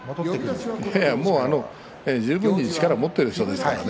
もう十分に力を持っているわけですからね。